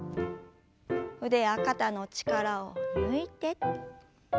腕や肩の力を抜いて。